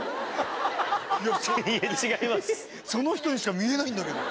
その人にしか見えないんだけど。